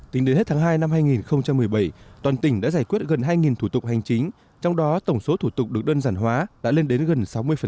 tính đến hết tháng hai năm hai nghìn một mươi bảy toàn tỉnh đã giải quyết gần hai thủ tục hành chính trong đó tổng số thủ tục được đơn giản hóa đã lên đến gần sáu mươi